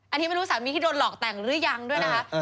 อันนี้ไม่รู้สามีที่โดนหลอกแต่งหรือยังด้วยนะคะ